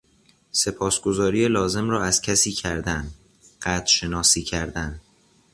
سپاسگزاری لازم را از کسی کردن، قدرشناسی کردن